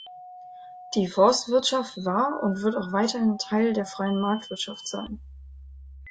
Die Forstwirtschaft war und wird auch weiterhin Teil der freien Marktwirtschaft sein.